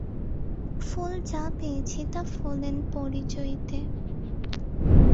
ফল যা পেয়েছি তা ফলেন পরিচীয়তে।